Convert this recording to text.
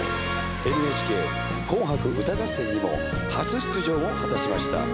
『ＮＨＫ紅白歌合戦』にも初出場を果たしました。